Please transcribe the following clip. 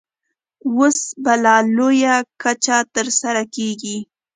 اوس په لا لویه کچه ترسره کېږي.